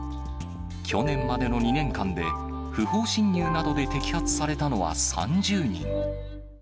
去年までの２年間で不法侵入などで摘発されたのは３０人。